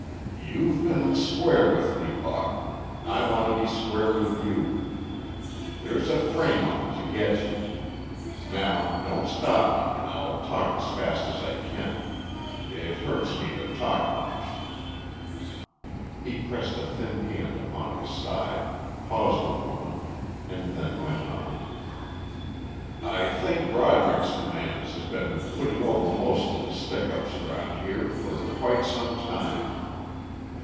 "You've been square with me, Buck. I want to be square with you.... There's a frame up to get you. Now don't stop me an' I'll talk as fast as I can. It hurts me to talk much." He pressed a thin hand upon his side, paused a moment, and then went on. "I think Broderick's the man as has been putting over most of the stick ups around here for quite some time.